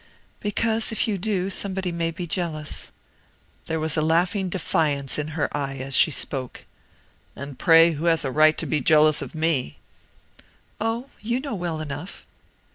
"'Because, if you do, somebody may be jealous.' There was a laughing defiance in her eye as she spoke. "'And pray, who has a right to be jealous of me?' "'Oh! you know well enough.'